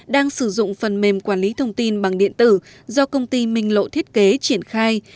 đang sử dụng phần mềm quản lý thông tin bằng điện tử do công ty minh lộ thiết kế triển khai